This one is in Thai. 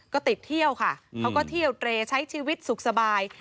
ก็ติดเที่ยวค่ะเขาก็เที่ยวเตรใช้ชีวิตสุขสบาย